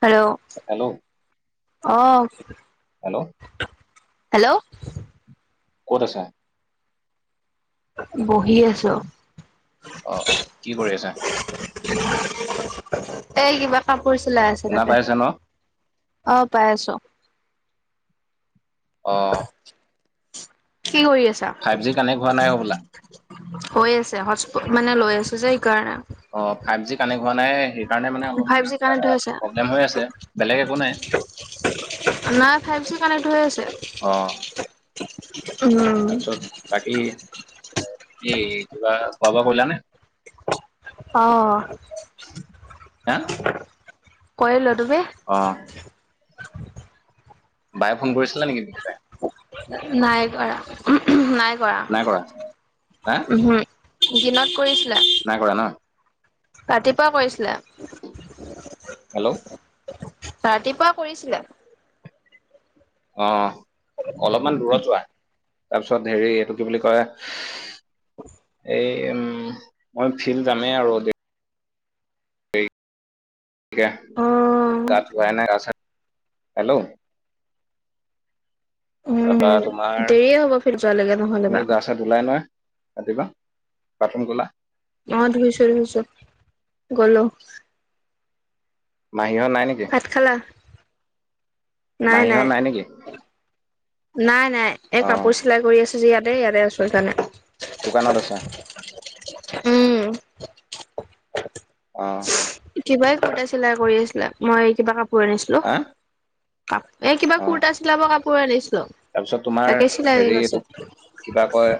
Hello hello অহ। Hello! Hello? ক'ত আছা? বহি আছো। অ', অ', কি কৰি আছা? এই কিবা কাপোৰ চিলাই আছে শুনা তাকে পাইছা ন? আহ পাই আছো অ কি কৰি আছা? ফাইভ জি কানেক্ট হোৱা নাই হ'বলা। হৈ আছে হটচপত মানে লৈ আছো যে সেইকাৰণে। কাৰণে মানে ফাইভ অলপমান জি কানেক্ট হৈ আছে প্ৰব্লেম হৈ আছে, বেলেগ একো নাই। নাই ফাইভ জি কানেক্ট হৈ আছে। অ', উম তাৰপিছত বাকী এ কি - কিবা খোৱা- বোৱা কৰিলানে? অ হা কৰিলো তুমি? অ। [inaudible] বায়ে ফোন কৰিছিলা নেকি বিকি বাই? নাই কৰা উহু উহু নাই কৰা হা উমহু। দিনত কৰি নাই কৰা ন? ৰাতিপুৱা কৰিছিলে। হেল্ল'! ৰাতিপুৱা কৰিছিলে। অ, অলপমান দূৰত যোৱা, তাৰপিছত হেৰি এইটো কি বুলি কয় এই উম, মই ফিল্ড যামেই আৰু দে এতিয়া, অ গা ধুৱাই নাই গা চা হেল্ল'? তাৰপৰা উম তোমাৰ, দেৰিয়ে হ'ব ফিল্ড যোৱালৈকে নহ'লে বা তুমি গা চা ধুলাই নহয়। ৰাতিপুৱা, বাথৰোম গলা অ ধুইছো ধুইছো গলো। মাহীহঁত নাই নেকি ভাত খালা? নাই নাই, মাহীহঁত নেকি নাই নাই এই অ কাপোৰ চিলাই কৰি আছো যে ইয়াত এ ইয়াতে আছো সেইকাৰণে। দোকানত আছে। উম অ। কিবাই কটাই চিলাই কৰি আছিলা মই কিবা কাপোৰ আনিছিলো। হা কাপ, এ কিবা অ কুৰতা চিলাব কাপোৰে আনিছো। তাৰপিছত তোমাৰ হেৰি এইটো কিবা কয়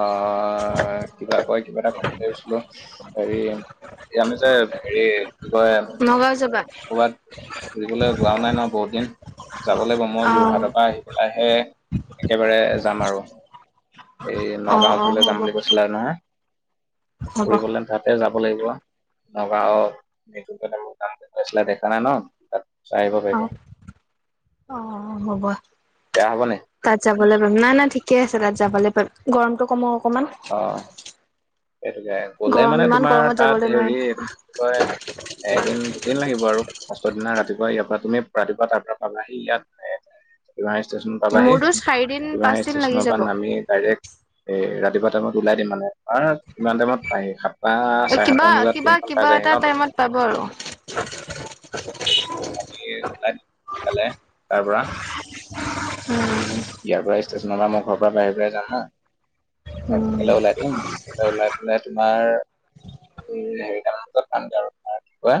আহ, কিবা কয় কিবা এটা কম লৈছিলো হেৰি এ আমি যে হেৰি কি কয়? নগাঁও যাবা ক'বাত ফুৰিবলৈ যোৱাও নাই ন বহুত দিন, যাব লাগিব মই অ যোৰহাটৰ পৰা আহি পেলাইহে একেবাৰে যাম আৰু। এই অ নগাঁওৰ অ ফালে যাম হ'ব বুলি কৈছিলে আৰু নহয়। হ'ব ফুৰিবলৈ তাতে যাব লাগিব নগাঁও নুন দেখা নাই ন [unintelligible] অ পাৰিবা অ হ'ব বেয়া হ'বনে তাত নাই নাই ঠিকে আছে তাত যাবলৈ পাম, গৰমতটো কমক অকমান। অ সেইটোকে গলে গৰম মানে ইমান তোমাৰ গৰমত তাত যাবলৈ নোৱাৰি হেৰি কি কয় এদিন দুদিন লাগিব আৰু ফাষ্টৰ দিনা ৰাতিপুৱা ইয়াৰ পৰা তুমি ৰাতিপুৱা তাৰ পৰা আহি ইয়াত তিৱাঙী ষ্টেচন পাবাহি, মোৰতো চাৰিদিন তিৱাহী পাঁচদিন লাগি ষ্টেচনৰ পৰা যাব। নামি ডাইৰেক্ট এ ৰাতিপুৱা টাইমত ওলাই দিম মানে কিমান টাইমত পায়হি সাতটা চাৰে সাত কিবা মান বজাত কিবা ট্ৰেইনখন পাই কিবা যায়হি এটা নতো টাইমত পাব আৰু [unintelligible] তাৰপিছত আমি লাই সোনকালে তাৰ পৰা অ [inaudible] ইয়াৰ পৰা ষ্টেচনৰ পৰা মুখৰ পৰা বাহিৰ পৰা যাম ন। অ উম, ভকলৈ ওলাই দিম, ভৈ ওলাই পেলাই তোমাৰ হেৰি ড আৰু [inaudible]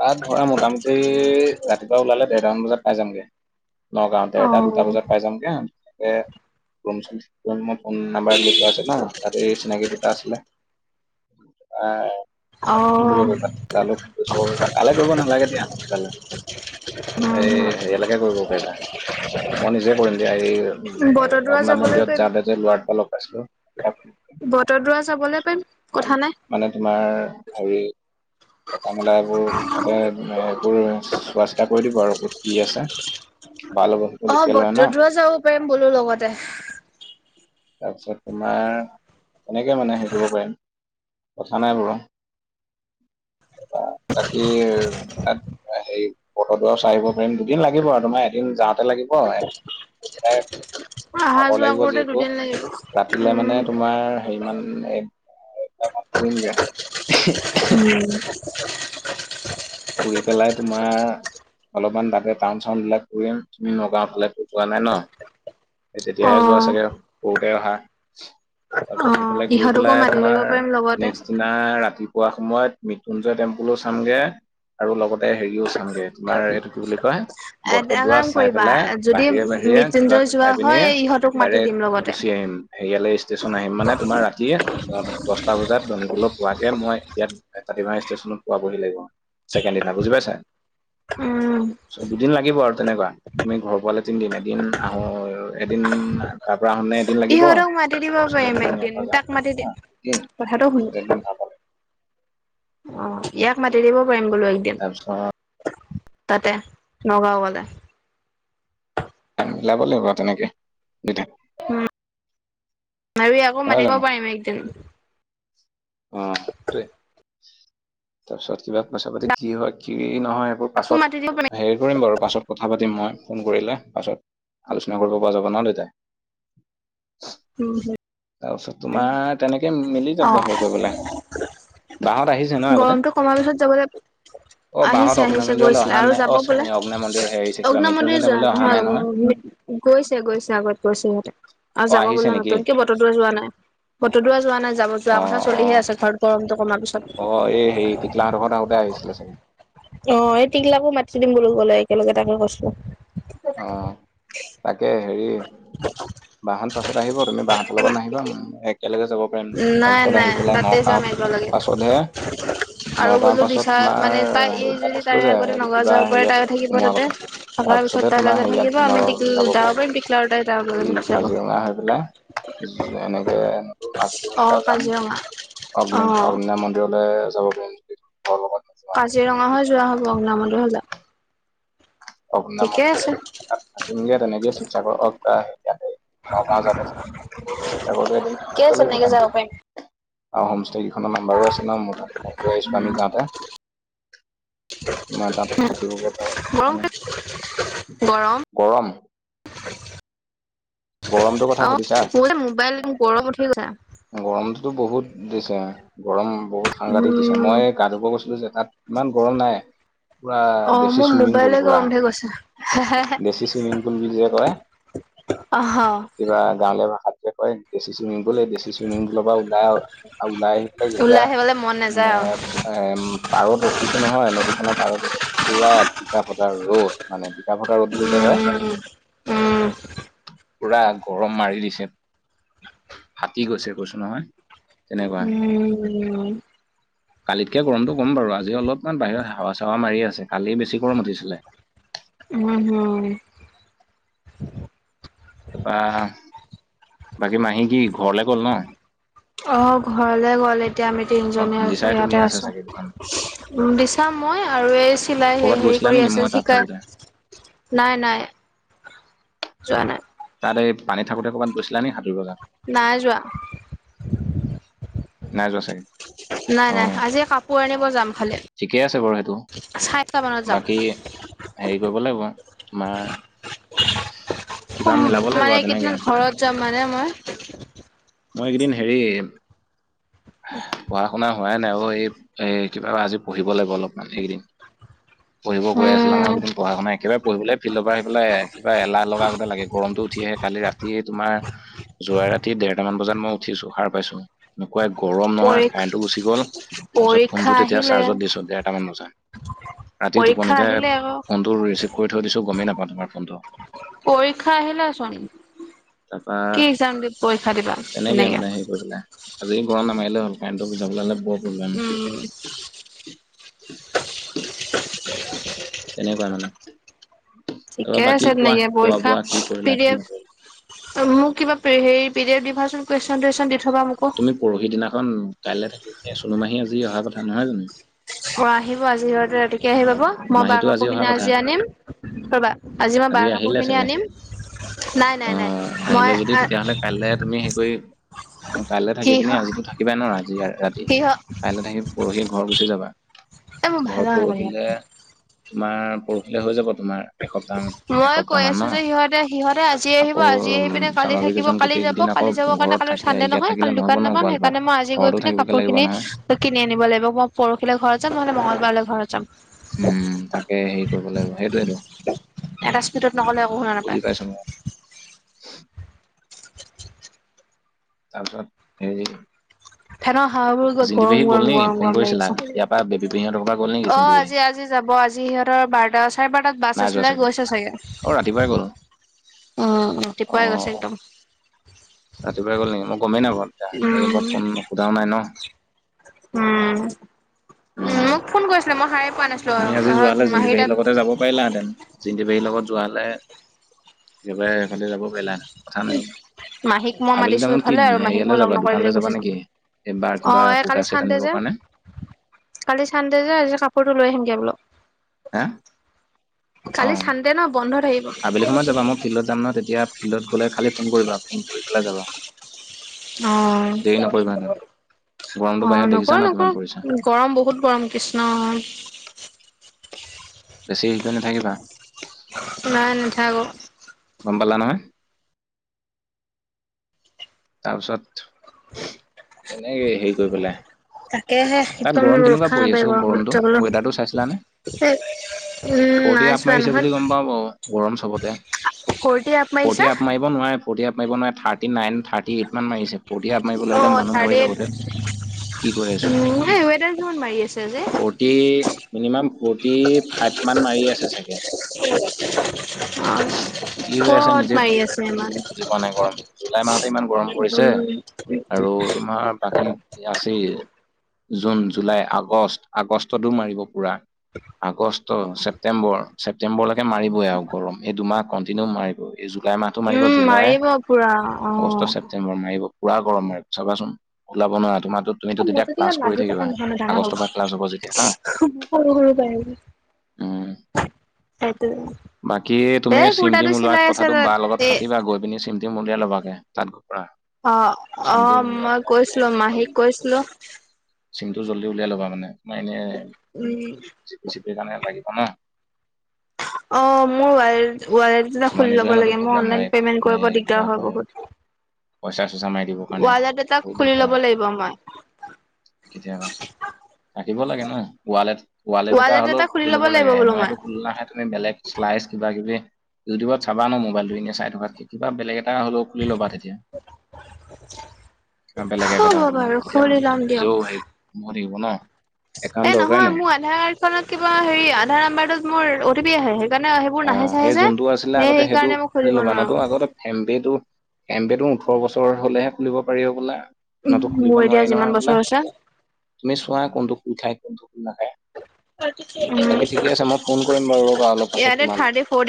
তাত ধৰা মোটামুটি ৰাতিপুৱা ওলালে দেৰটামান বজাত পাই যামগে। নগাঁও, তেৰটা দুটা অ', বজাত পাই যামগে তে [inaudible] ফোন নাম্বাৰ লত আছে ন তাত এই চিনাকি দুটা আছিলে। প ফ অ', কৰিবাপ কৰিবা তালৈ কৰিব নালাগে দিয়া তোলে [inaudible] এই হেৰিয়ালৈকে কৰিব পাৰিবা মই নিজে কৰিম দিয়া এই বটদ্ৰৱা ৰত্না মন্দিৰত যাওঁতে যে লোৱাৰ পৰা লগ পাইছিলো। বত্ৰদোৱাৰ মানে তোমাৰ হেৰি থকা মেলা এইবোৰ সতে এইবোৰ চোৱা চিতা কৰি দিব আৰু ক'ত কি আছে। ভাল হ'ব সেইটো অ লোকেল হয় ন বত্ৰদোৱাৰ যাব পাৰিম বোলো লগতে। তাৰপিছত তোমাৰ তেনেকে মানে হেৰি কৰিব পাৰিম। কথা নাই বাৰো। [unintelligible] বাকী উ তাত হেৰি বত্ৰদোৱাৰ চাই আহিব পাৰিম। দুদিন লাগিব আৰু তোমাৰ এদিন যাওঁতে লাগিব [unintelligible] অহা ভাগৰ যোৱা লাগিব কৰোতে যিহেতু, দুদিন লাগিব। ৰাতিলে মানে উম, তোমাৰ হেমান ম গ [unintelligible] উম ফুৰি পেলাই তোমাৰ অলপমান তাকে টাউন চাউণ্ড বিলাক কৰিম তুমি নগাঁও ফালে ফুৰি পোৱা নাই ন। তেতিয়াহে যোৱা অ', চাগে সৰুতে অহা। তাৰপিছত অ', সেইফালে ঘূৰি ইহঁতকো পেলাই মাতি দিব তোমাৰ পাৰিম লগতে। নেক্স দিনা ৰাতি পোৱা সময়ত মৃত্যুঞ্জয় টেম্পুলো চামগে। আৰু লগতে হেৰিও চামগে তোমাৰ এইটো কি বুলি কয় বত্ৰ এটা দোৱা কাম চাই কৰিবা পেলাই যদি বাহিৰে বাহিৰে কিবা মৃত্যুঞ্জয় যোৱা খাই পিনি হয় ইহঁতক মাতি ডাইৰেক্ট দিম লগতে। গুচি আহিম হেৰিয়ালে ষ্টেচন আহিম মানে তোমাৰ ৰাতিয়ে দহটা বজাত ধণীপুলত পোৱাকে মই ইয়াত। তাতিমাহ ষ্টেচনত পোৱাবহি লাগিব ছেকেণ্ড দিনা বুজি পাইছা। উম দুদিন লাগিব আৰু তেনেকুৱা, তুমি ঘৰ পোৱালে তিনিদিন এদিন আহো এদিন তাত শুনে এদিন লাগিব, ইহঁতক মাতি দিব তাৰপিছত পাৰিম এদিন এ একদিন যাব তাক মাতি দি লাগিব এদিন কথাটো শুন তাৰপিছত এদিন যাব লাগিব অ ইয়াক মাতি দিব পাৰিম বোলো একদিন তাৰপিছত তাতে নগাঁও গলে মিলাব লাগিব তেনেকে দুইটাই। উম আৰু আকৌ মাতি দিব পাৰিম একদিন। অ সোৱেই তাৰপিছত কিবা পইচা পাতি কি হয় কি নহয় এইবোৰ তাকো মাতি দিব পাৰিম পাছত হেৰি কৰিম বাৰু পাছত কথা পাতিম মই ফোন কৰিলে পাছত আলোচনা কৰিব পৰা যাবা ন দেউতাই উম হয়। তাৰপিছত তোমাৰ তেনেকে মিলি যাব হেৰি কৰিবলে বা হঁত আহিছে ন? আগতে গৰমটো কমাৰ পিছত যাবলৈ অ' বা আহিছে হঁত অগ্নি আহিছে নাভমন্দিৰলৈ গৈছিলে অহা আৰু নাই যাব বোলে অ' অগ্নি মন্দিৰৰ হেৰিছে কিবা অগ্ন মন্দিৰ মৃত্যুঞ্জয় যোৱা মন্দিৰলৈ অহা নাই নহয়। গৈছে গৈছে আগত গৈছে সিহঁতে আৰু অ যাব আহিছে বোলে নেকি নতুনকে বতদোৱা যোৱা নাই। বতদোৱা যোৱা নাই যাব যোৱা অ কথা অ চলিহে আছে ঘৰত গৰম কমাৰ পিছত। অ এই হেৰি টিকলাহঁতৰ ঘৰত আহোতে আহিছিলে চাগে অ' এই তিকলাকো মাতি দিম বোলো গ'লে একেলগে তাকে কৈছোঁ। অ' তাকে হেৰি বা হঁত পাছত আহিব তুমি বা হঁতৰ লগত নাহিবা একেলগে যাব পাৰিম নাই তাৰপিছত আহি নাই পেলাই তাতে যাম নগাঁৱত একেলগে বাছতহে আৰু নগাঁও বোলো পাছত দিছা তোমাৰ মানে তাই হেৰি এই মই যদি কৈছিলো তাৰে যে আগতে এইটো কিবা হেৰিয়ত সোমোৱা কথা। আমাৰ তাৰপিছতহে ওচৰত তোমাৰ হেৰিয়াত থাকিব সোমাব আমি যাব পাৰিম এই কাজিৰঙা হৈ পেলাই [unintelligible] এনেকে মাজুলী অ যাম কাজিৰঙা অ অগ্নি অগ্নিনাথ মন্দিৰলৈ যাব পাৰিম যদি। ঘৰৰ লগত নোযোৱা কাজিৰঙা হৈ তেতিয়া যোৱা হ'ব অগ্নি নাভমন্দিৰ হৈ। অগ্নিনাভ ঠিকেই আছে। মন্দিৰলৈ তাত থাকিমগে তেনেকে শিৱসাগৰ আহা [unintelligible] শিৱসাগৰতো এদিন ঠিকে আছে থাকিবই তেনেকে যাব লাগিব পাৰিম সেই কেইখনৰ নাম্বাৰো আছে ন মোৰ তাত মই লৈ আহিছো আমি যাওঁতে তোমাৰ তাত থাকিবগে পাৰে। গৰম কি গৰম গৰমটোৰ কথা অ সুধিছা? মোৰ যে মোবাইল গৰম উঠি গৈছে গৰমটোতো বহুত দিছে গৰম বহুত সাংঘাতিক দিছে। উম মই গা ধুব গৈছিলো যে তাত ইমান গৰম নাই। পুৰা অ দেশী মোৰ চুইমিং মোবাইলে পুল পুৰা গৰম উঠি গৈছে দেশী চুইমিং পুল বুলি যে কয়। অ' কিবা গাঁৱলীয়া ভাষাত যে কয় দেশী চুইমিং গ'লে দেশী চুইমিং পুলৰ পৰা ওলাই আহি পেলাই ওলাই আহিবলে মন যেতিয়া নাযায় ম আৰু এ পাৰত ৰখিছো নহয় নদীত পাৰত পুৰা টিকা ফতা ৰ'দ মানে টিকা ফটা ৰ'দ বুলি যে কয় উম পুৰা গৰম মাৰি দিছে ফাটি গৈছে কৈছো নহয়। তেনেকুৱা উম কালিতকে গৰমটো ক'ম বাৰু আজি অলপমান বাহিৰত হোৱা চেৱা মাৰি আছে কালিয বেছি গৰম উঠিছিলে। উম, হম তাপা বাকী মাহী কি ঘৰলে গল ন? অ' ঘৰলে গ'ল। এতিয়া আমি অ তিনিজনী এই আছো দিচাই ইয়াতে তুমিয়ে আছা আছোঁ। চাগে দোকান উম দিচাম মই আৰু এই চিলাই ক'ৰবাত হেৰি গৈছিলা কৰি নেকি মই আছে তাত থাকোতে শিকাই নাই, নাই যোৱা নাই। তাত এই পানীত থাকোতে ক'ৰবাত গৈছিল নেকি? সাতুৰিবলে নাই, যোৱা। নাই যোৱা চাগে। উ নাই, নাই অ আজি কাপোৰ আনিব যাম এফালে ঠিকে আছে বাৰু সেইটো চাৰে আঠটামানত যাম। বাকী হেৰি কৰিব লাগিব তোমাৰ কিবা মিলাব লাগিব মানে আৰু তেনেকে কেইদিনমান ঘৰত যাম মানে মই। মই এইকেইদিন হেৰি পঢ়া-শুনা হোৱাই নাই অ' এই এ কিবা আজি পঢ়িব লাগিব অলপমান এইকেইদিন পঢ়িব কৈ আছিলা উম নহয় এইকেইদিন পঢ়া-শুনা একেবাৰে পঢ়িবলৈ ফিল্ড পৰা আহি পেলাই কিবা এলাহ লগা নিচনা লাগে গৰমটো উঠিয়ে কালি ৰাতি তোমাৰ যোৱা ৰাতি দেৰটা মান বজাত মই উঠিছো সাৰ পাইছো। ওৱাই গৰম নহয় পৰীক্ষ কাৰেণ্টটো গুচি গ'ল তাৰপিছত পৰীক্ষা ফোনটো তেতিয়া আহিলে চাৰ্জত দিছো দেৰটা মান বজাত। ৰাতি পৰীক্ষা টোপনিতে আহিলে আকৌ ফোনটো ৰিচিভ কৰি থৈ দিছো গমেই নাপাওঁ তোমাৰ ফোনটো। পৰীক্ষা আহিলেচোন তাৰপা কি একযাম দিম পৰীক্ষা দিম? তেনেকে মানে হেৰী কৰিবলে আজি গৰম নামাৰিলে হ'ল কাৰেণ্টো বুজাব পালে বৰ প্ৰব্লেম উম [inaudible] তেনেকুৱাই মানে। তাৰপৰা ঠিকে বাকী আছে কোৱা তেনেকে খোৱা পৰীক্ষা বোৱা কি পি কৰিলা দি কি এফ নকৰিলা মোৰ কিবা হেৰি পি দি এফ দিবাচোন কুৱেচন টোৱেচন দিবাচোন। তুমি পৰহি দিনাখন কাইলৈ থাকিব এ চুন মাহী আজি অহা কথা নহয় জানো? অ আহিব আজি। কে আহি পাব মই বাৰ মাহীতো অহা কাপোৰখিনি কথা আজি আনিম কি কৰিবা আজি মই বাৰ আহিলে কাপোৰখিনি চাগে আনিম। নাই অ নাই নাই মই আহিলে যদি তেতিয়াহলে কাইলে তুমি হেৰি কৰি কাইলৈ থাকি সিহ পিনে আজিটো থাকিবাই ন আজি ৰাতি সিহ কাইলৈ থাকি পৰহি ঘৰ গুচি যাবা। এ মোৰ ঘৰ ভাল নালাগে পৰহিলে তোমাৰ পৰহিলে হৈ যাব। তোমাৰ এসপ্তাহ মই এসপ্তাহ কৈ মান ন আছো যে সিহঁতে সিহঁতে আজি আহিব আকৌ আজি আহি পিনে কালি চামাৰ থাকিব ভেকেশ্যন কালি গোটেই যাব। কেইদিন আকৌ কালি যাবৰ কাৰণে ক ঘৰত থাকে চান্ডে ইয়াত নহয় থাকিলে কালি নহ'ব দোকান ন নাপাম গোৱালপাৰাত। সেইকাৰণেই আজি গৈ ঘৰতো পিনে থাকিবগে কাপোৰ লাগিব খিনি নহয় কিনি আনিম। লাগিবই মই পৰহিলে ঘৰত যাম নহলে মঙ্গলবাৰে ঘৰত যাম উম, তাকে হেৰি কৰিব লাগিব সেই এটা [unintelligible] স্পীডত নগ'লে একো শুনা নাপায় বুজি পাইছোঁ ন'। তাৰপিছত হেৰি ফেন অহ হাৱাবোৰ গৈ জিন্তি পেহী গৰম- গ'ল নেকি গৰম-গৰম- ফোন গৰম কৰিছিলা লাগিছে। ইয়াৰ পৰা বেবী পেহীহঁতৰ পৰা গ'ল নেকি জিন্তি অহ পেহী আজি -আজি যাব আজি সিহঁতৰ বাৰটা চাৰে বাৰটাত বাছ নাই যোৱা আছিলে গৈছে চাগে। উম, অ ৰাতিপুৱাই গ'ল অ ৰাতিপুৱাই গৈছে একদম। ৰাতিপুৱাই গ'ল নেকি মই [unintelligible] এই উম মই ফোন সোধাও নাই ন',। উম, উম মোক ফোন কৰিছিলে মই সাৰে পোৱা নাছিলো তুমি আৰু আজি যোৱা হলে মাহীৰ জিন্তিপেহি তাত লগতে যাব পাৰিলাহেতেন জিন্তিপেহি লগত যুৱাহলে একেবাৰে সেইফালদি যাব পাৰিলা হয় কথা নাই বাৰু। মাহীক মই মাতিছোঁ ইফালে আৰু মাহীক মই লগ যাবা নকৰি দোকানলৈ পেলে যাবা গুচি যাম। নেকি এইবাৰ কিবা অহ, এই কুৰ্তা কালি ছেট চান্দে আনিবৰ যে কাৰণে -কালি চান্দে যে আজি কাপোৰটো লৈ আহিমগে বোলো। হা কালি অঁ চান্দে ন'বন্ধ থাকিব। অ আবেলি সময়ত যাবা মই ফিল্ডত যাম ন' তেতিয়া ফিল্ডত গ'লে খালি ফোন কৰিবা ফোন কৰি পেলাই যাবা। অ', দেৰি নকৰিবা তাত গৰমটো অহ, বাহিৰত দেখিছা নকৰো ন কিমান পৰিছে -নকৰো গৰম বহুত গৰম কৃষ্ণ। বেছি সেই কৰি নাথাকিবা। [unintelligible] গম পালা নহয়? তাৰপিছত [inaudible] তেনেকে হেৰি কৰি পেলাই তাকেহে তাত একদম গৰম কেনেকুৱা ৰখা পৰি নাপায় আছো গৰমত গৰমটো যাবলৈ। ৱেডাৰটো চাইছিলানে? এ উম ফৰ্টি নাই আপ চোৱা মাৰিছে নহয় বুলি গম পাও বাৰো গৰম চবতে। ফৰটি ফৰ্টি মাৰিছা? আপ মাৰিব নোৱাৰে -ফৰ্টি আপ মাৰিব নোৱাৰে থাৰ্তি নাইন থাৰ্তি এইট মান মাৰিছে ফৰ্টি আপ মাৰিবলৈ হ'লে অ' মানুহ থাৰ্ড মৰি যাব এইট ধেত। কি কৈ আছো উম এই ৱেডাৰ কিমান মাৰি আছে আজি। ফৰ্টি মিনিমাম ফৰ্টি ফাইভ মান মাৰি আছে চাগে। অ। কি হৈ আছে কত নিজে মাৰি আছে ইমান? বুজি পোৱা নাই গৰম জুলাই মাহতে ইমান গৰম পৰিছে উম। আৰু তোমাৰ বাকী আছেই। জুন, জুলাই, আগষ্ট আগষ্টতো মাৰিব পুৰা আগষ্ট ছেপটেম্বৰ ছেপটেম্বৰলৈকে মাৰিবই আৰু গৰম এই দুমাহ কণ্টিনিউ মাৰিব এই জুলাই মাহটো মাৰিব উম জুলাই মাৰিব পুৰা অগষ্ট অ'। ছেপটেম্বৰ মাৰিব পুৰা গৰম মাৰিব চাবাচোন ওলাব নোৱাৰা তোমাৰ [unintelligible] পৰা ক্লাছ হ'ব যেতিয়া হা সেইটো বাকি এ তুমি কুৰ্তাটো চিমটিম ওলোৱা চিলাই আছে কথাটো তাত। বাৰ লগত এ পাতিবা গৈ পিনি, চিমটিম ওলিয়াই ল'বাগে তাত গৈ। পৰা অ চিম অ টিম উলিয়াই মই পেলাই তেতিয়া হেৰি কৈছিলো কৰিব মাহীক পাৰিবা কৈছিলো চিমটো জলদি উলিয়াই ল'বা মানে মই এনে উম সেইকাৰণে লাগিব ন', অহ, মোৰ ৱালে -ৱালেট এটা তোমাৰ খুলি নিজৰে ল'ব নতো লাগে মোৰ প্ৰব্লেম অনলাইন হয় পেমেন্ট এ কৰিব কিবা দিগদাৰ হয় কয় বহুত। পইচা চইচা মাৰি দিবৰ কাৰণে ৱালেট এটা বহুত খুলি দিগদাৰ ল'ব হয় লাগিব মই। কেতিয়াবা থাকিব লাগে ন' ৱালেট -ৱালেট এটা হ'লেও খুলি ল'ব লাগে এনে এইটো খোল নাখায় তুমি বেলেগ লাইকচ কিবা -কিবি ইউটিউবত চাবা মোৰ মোবাইলটো এনে চাই থকাতকে কিবা বেলেগ এটা হ'লো খুলি ল'বা তেতিয়া। বেলেগে এপ হ'ব এটা হলো বাৰু তেতিয়া খুলি ল'ম দিয়ক। নিজেও হেৰি হৈ থাকিব ন। এ একাউণ্ট দৰকাৰেই নহয় নাই মোৰ আধাৰ কাৰ্ডখনত কিবা হেৰি আধাৰ নাম্বাৰটোত মোৰ অ টি পি আহে। সেইকাৰণে সেইবোৰ অ নাহে চাহে এই যে যোনটো আছিলে সেই আগতে সেইটো সেইকাৰণে মই খুলি খুলিব ল'বা নোৱাৰো। নতো আগতে ফোন পে ফোন পেটো ওঠৰ বছৰ হলেহে খুলিব পাৰি হবলা। নতো খুলিব মোৰ এতিয়া নোৱাৰি যিমান নহয় হবলা বছৰ হৈছে তুমি চোৱা কোনটো খোল খায়। কোনটো খোল নাখায় বাকী ঠিকে আছে মই ফোন কৰিম বাৰু ৰ'বা অলপ পাছত ইয়াতে তোমালে থিৰ্তী ফৰ ডেছ